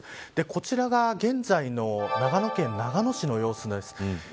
こちらが現在の長野県長野市の様子です。